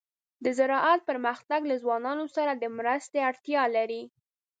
د زراعت پرمختګ له ځوانانو سره د مرستې اړتیا لري.